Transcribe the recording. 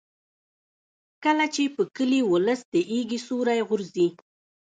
کله چې په کلي ولس د ایږې سیوری غورځي.